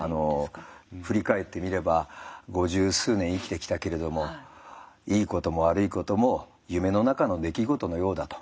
振り返ってみれば五十数年生きてきたけれどもいいことも悪いことも夢の中の出来事のようだと。